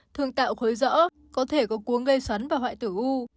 thường tạo khối rõ có thể có cuốn gây xoắn và hoại tử u